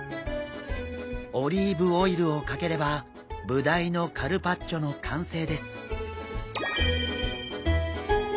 オリーブオイルをかければブダイのカルパッチョの完成です。